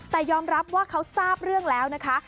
แต่ยอมรับว่าเขาทราบเรื่องแล้วนะคะ